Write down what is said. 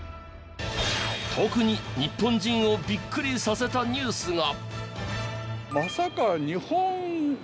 特に日本人をビックリさせたニュースが。